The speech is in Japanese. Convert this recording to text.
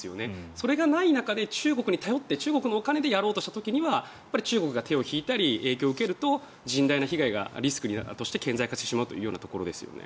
それがない中で、中国に頼って中国のお金でやろうとした時には中国が手を引いたり影響を受けると甚大なリスクが顕在化してしまうということですね。